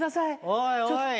おいおい。